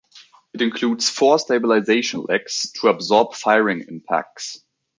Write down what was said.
It includes four stabilization legs to absorb firing impacts.